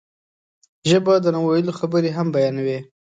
ژبه د نه ویلو خبرې هم بیانوي